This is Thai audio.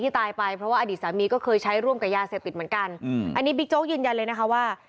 ตายไปเพราะว่าอดีตสามีก็เคยใช้ร่วมกับยาเสพติดเหมือนกันอืมอันนี้บิ๊กโจ๊กยืนยันเลยนะคะว่า